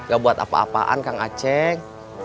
gak buat apa apaan kang aceh